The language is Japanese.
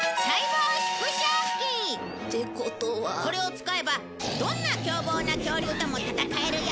これを使えばどんな凶暴な恐竜とも戦えるよ！